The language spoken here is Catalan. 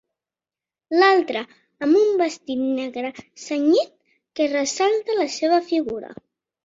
L'altra, amb un vestit negre cenyit que ressalta la seva figura.